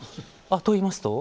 といいますと？